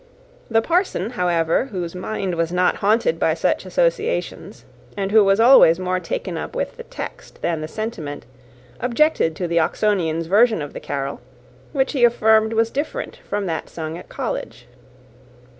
The parson, however, whose mind was not haunted by such associations, and who was always more taken up with the text than the sentiment, objected to the Oxonian's version of the carol: which he affirmed was different from that sung at college.